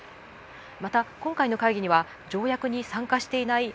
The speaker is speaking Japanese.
また、今回の会議には条約に参加していない